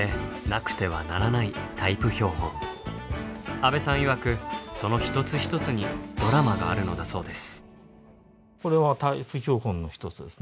阿部さんいわくその一つ一つにドラマがあるのだそうです。